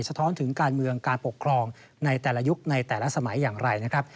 ท้อนถึงการเมืองการปกครองในแต่ละยุคในแต่ละสมัยอย่างไรนะครับ